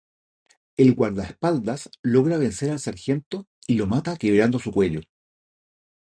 El guardaespaldas logra vencer al sargento y lo mata quebrando su cuello.